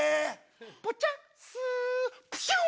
ポチャスプシュン！